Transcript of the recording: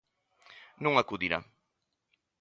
Non acudirá.